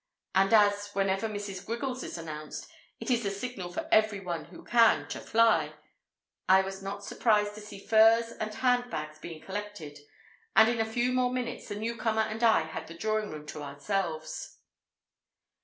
And as, whenever Mrs. Griggles is announced, it is the signal for everyone who can to fly, I was not surprised to see furs and handbags being collected, and in a few more minutes the newcomer and I had the drawing room to ourselves.